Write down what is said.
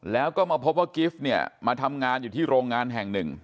แล้วก็มาพบว่ากิฟต์เนี่ยมาทำงานอยู่ที่โรงงานแห่งหนึ่ง